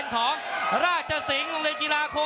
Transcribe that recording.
รอคะแนนจากอาจารย์สมาร์ทจันทร์คล้อยสักครู่หนึ่งนะครับ